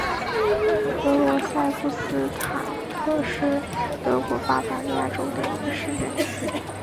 格罗赛布斯塔特是德国巴伐利亚州的一个市镇。